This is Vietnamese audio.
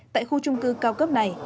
tại khu trung cư cao cấp này